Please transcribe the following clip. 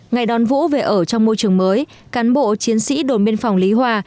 ngày đón vũ về ở trong môi trường mới cán bộ chiến sĩ đồn biên phòng lý hòa